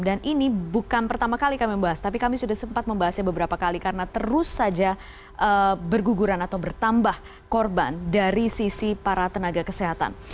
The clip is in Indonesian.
dan ini bukan pertama kali kami membahas tapi kami sudah sempat membahasnya beberapa kali karena terus saja berguguran atau bertambah korban dari sisi para tenaga kesehatan